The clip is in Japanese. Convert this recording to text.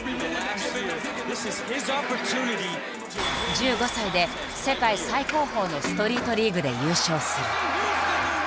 １５歳で世界最高峰のストリートリーグで優勝する。